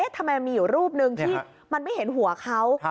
ทำไมมีอยู่รูปนึงที่มันไม่เห็นหัวเขา